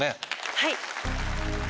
はい。